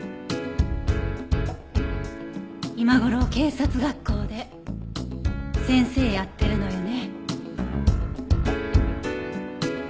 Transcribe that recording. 今頃警察学校で先生やってるのよね。